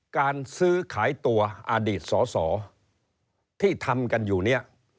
การซื้อขายตัวอดีตสอสอที่ทำกันอยู่เนี่ย